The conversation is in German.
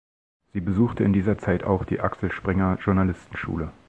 Sie besuchte in dieser Zeit auch die Axel Springer Journalistenschule.